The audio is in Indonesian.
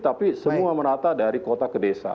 tapi semua merata dari kota ke desa